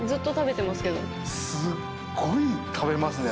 すっごい食べますね